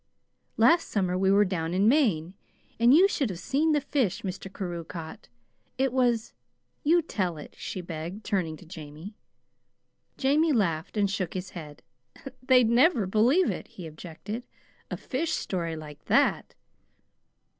Last summer we were down in Maine, and you should have seen the fish Mr. Carew caught. It was You tell it," she begged, turning to Jamie. Jamie laughed and shook his head. "They'd never believe it," he objected; " a fish story like that!"